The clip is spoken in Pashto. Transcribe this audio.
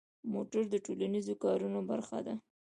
موټر د ټولنیزو کارونو برخه ده.